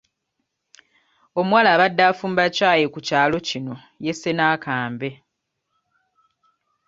Omuwala abadde afumba ccaayi ku kyalo kino yesse n'akambe